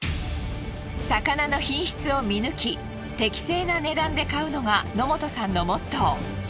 魚の品質を見抜き適正な値段で買うのが野本さんのモットー。